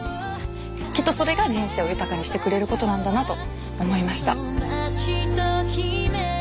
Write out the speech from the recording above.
きっとそれが人生を豊かにしてくれることなんだなと思いました。